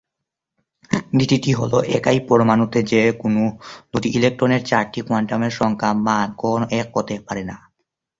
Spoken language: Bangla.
নীতিটি হল,-" একই পরমাণুতে যে কোন দুটি ইলেকট্রনের চারটি কোয়ান্টাম সংখ্যার মান কখনো এক হতে পারে না।"